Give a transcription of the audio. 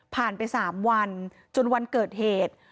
ผ่านไปสามวันจนวันเกิดเหตุ